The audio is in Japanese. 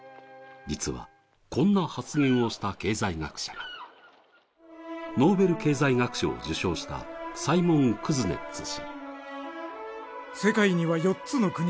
実は、こんな発言をした経済学者がノーベル経済学賞を受賞したサイモン・クズネッツ氏。